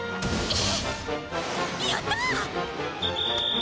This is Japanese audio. やった！